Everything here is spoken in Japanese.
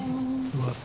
うわさ